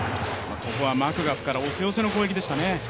ここはマクガフから押せ押せの攻撃でしたね。